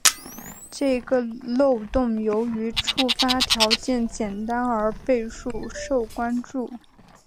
这个漏洞由于触发条件简单而备受关注。